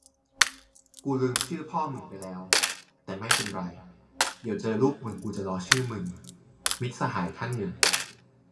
กูลืมชื่อพ่อมึงไปแล้ว แต่ไม่เป็นไร เดี๋ยวเจอลูกมึงกูจะล้อชื่อมึง มิตรสหายท่านหนึ่ง